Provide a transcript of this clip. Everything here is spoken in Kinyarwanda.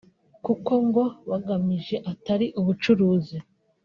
kuko ngo bagamije atari ubucuruzi